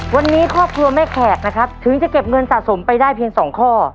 วันนี้ครอบครัวแม่แขกนะครับถึงจะเก็บเงินสะสมไปได้เพียง๒ข้อ